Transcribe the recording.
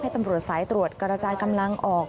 ตำรวจสายตรวจกระจายกำลังออก